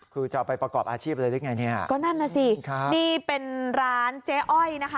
คือจะเอาไปประกอบอาชีพเลยเรียกไงเนี่ยนี่เป็นร้านเจ๊อ้อยนะคะ